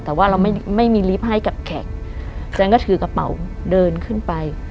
แต่ว่าเราไม่มีลิฟต์ให้กับแขกฉันก็ถือกระเป๋าเดินขึ้นไป